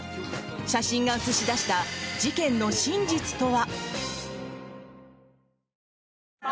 写真が写し出した事件の真実とは。